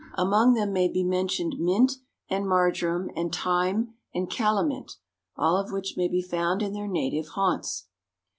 Among them may be mentioned mint and marjoram and thyme and calamint, all of which may be found in their native haunts.